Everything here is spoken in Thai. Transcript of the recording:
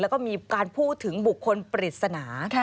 แล้วก็มีการพูดถึงบุคคลปริศนา